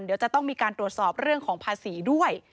เดี๋ยวจะต้องมีการตรวจสอบเรื่องของภาษีด้วย